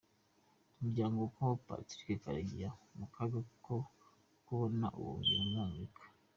Umuryango wa Col. Patrick Karegeya mu kaga ko kubona ubuhungiro muri Amerika.